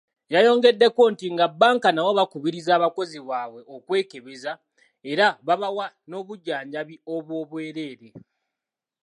Yayongeddeko nti nga bbanka nabo bakubiriza abakozi baabwe okwekebeza era babawa n'obujjanjabi obw'obwerere.